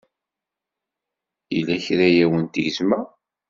Yella kra ay awent-gezmeɣ?